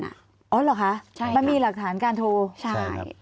อ๋อเหรอคะมันมีหลักฐานการโทรใช่